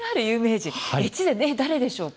越前、誰でしょうか。